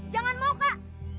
jangan mau kak